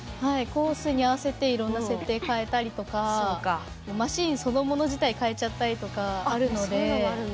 コースに合わせていろんな設定を変えたりとかマシーンそのもの自体を変えちゃったりとかもあるので。